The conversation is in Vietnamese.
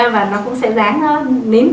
và nó cũng sẽ dáng nó nín